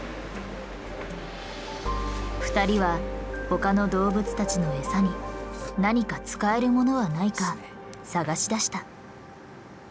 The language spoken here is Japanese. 二人は他の動物たちの餌に何か使えるものはないか探しだした。